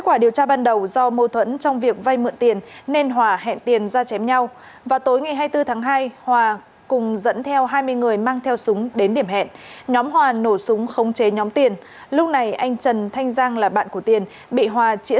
các bạn hãy đăng ký kênh để ủng hộ kênh của chúng mình nhé